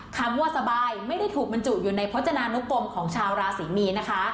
คำว่าสบายไม่ได้ถูกบรรจุอยู่ในพจนานุกรมของชาวราศรีมีนนะคะ